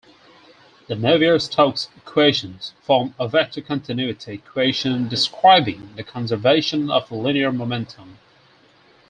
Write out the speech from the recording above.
The Navier-Stokes equations form a vector continuity equation describing the conservation of linear momentum.